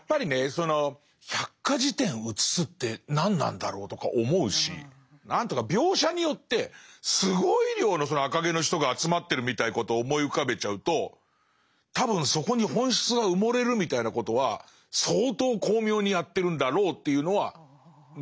その百科事典を写すって何なんだろうとか思うし何ていうのか描写によってすごい量のその赤毛の人が集まってるみたいなことを思い浮かべちゃうと多分そこに本質が埋もれるみたいなことは相当巧妙にやってるんだろうというのは分かります。